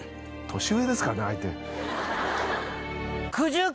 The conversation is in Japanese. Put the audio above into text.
年上ですからね相手。